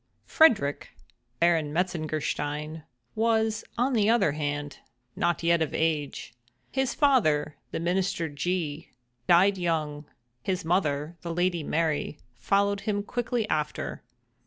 Frederick, Baron Metzengerstein, was, on the other hand, not yet of age. His father, the Minister G—, died young. His mother, the Lady Mary, followed him quickly after.